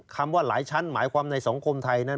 ว่าหลายชั้นหมายความในสังคมไทยนั้น